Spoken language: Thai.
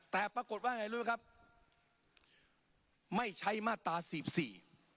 แต่ปรากฏว่าไงรู้ไหมครับไม่ใช้มาตราสิบสี่